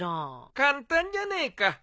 簡単じゃねえか。